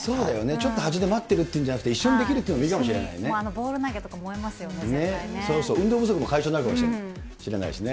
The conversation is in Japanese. ちょっと端で待ってるっていうんじゃなくて一緒にできるというのボール投げとか燃えますよね、運動不足も解消になるかもしれないですね。